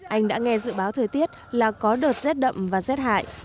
anh đã nghe dự báo thời tiết là có đợt z đậm và z hại